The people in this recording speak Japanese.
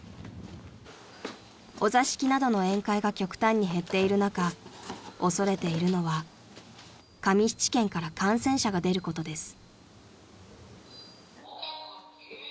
［お座敷などの宴会が極端に減っている中恐れているのは上七軒から感染者が出ることです］